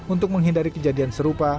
untuk menghindari kejadian serupa